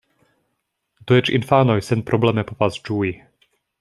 Do eĉ infanoj senprobleme povas ĝui.